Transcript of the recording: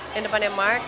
yang depannya mark